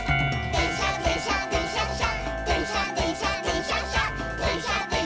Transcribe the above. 「でんしゃでんしゃでんしゃっしゃ」